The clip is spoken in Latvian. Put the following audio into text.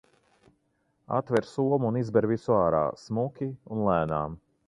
Atver somu un izber visu ārā, smuki un lēnām.